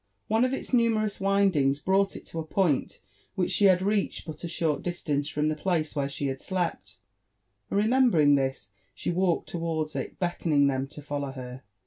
One of its Dumerous windings brought it to a point which she had reached but a short distance from the place where she had slept; and remembering this, she walked towards it, beckoning them to follow her.